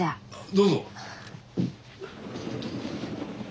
どうぞ。